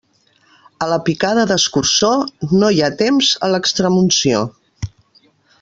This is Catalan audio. A la picada d'escurçó, no hi ha temps a l'extremunció.